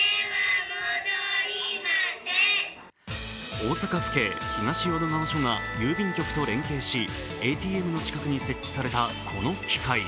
大阪府警東淀川署が郵便局と連携し、ＡＴＭの近くに設置されたこの機械。